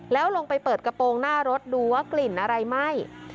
แล้วลงไปเปิดกระโปรงหน้ารถดูว่ากลิ่นอะไรไหม้